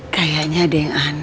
kayaknya ada yang aneh